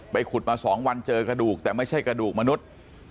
ขุดมา๒วันเจอกระดูกแต่ไม่ใช่กระดูกมนุษย์